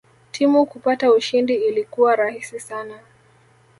Timu kupata ushindi ilikuwa rahisi sana